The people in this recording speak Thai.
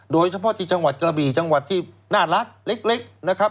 โดยเฉพาะที่จังหวัดกระบี่จังหวัดที่น่ารักเล็กนะครับ